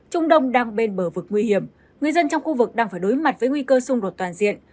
trung đông đang bên bờ vực nguy hiểm người dân trong khu vực đang phải đối mặt với nguy cơ xung đột toàn diện